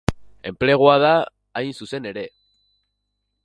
Enplegua da, hain zuzen ere.